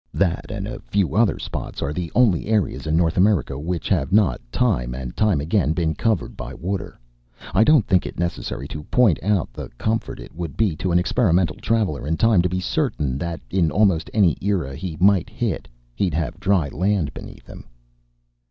That and a few other spots are the only areas in North America which have not, time and time again, been covered by water. I don't think it necessary to point out the comfort it would be to an experimental traveler in time to be certain that, in almost any era he might hit, he'd have dry land beneath him."